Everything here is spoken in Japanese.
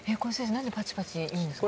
何でパチパチいうんですか？